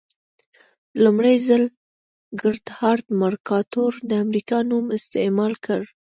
لومړي ځل ګردهارد مرکاتور د امریکا نوم استعمال کړ.